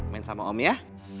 main sama om ya